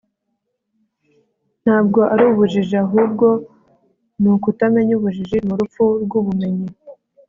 ntabwo ari ubujiji, ahubwo ni ukutamenya ubujiji, ni urupfu rw'ubumenyi